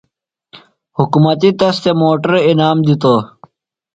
حُکمتیۡ تس تھےۡ موٹر انعام کیۡ دِتوۡ۔